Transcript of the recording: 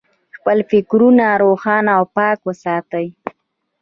خپل فکرونه روښانه او پاک وساتئ.